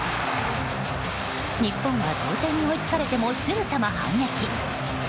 日本は同点に追いつかれてもすぐさま反撃。